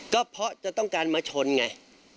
ก็เพราะจะต้องการมาชนไง